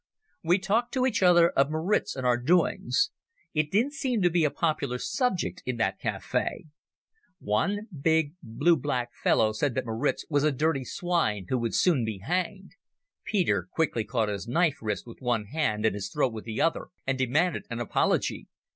We talked to each other of Maritz and our doings. It didn't seem to be a popular subject in that cafe. One big blue black fellow said that Maritz was a dirty swine who would soon be hanged. Peter quickly caught his knife wrist with one hand and his throat with the other, and demanded an apology.